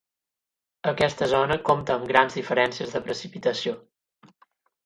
Aquesta zona compta amb grans diferències de precipitació.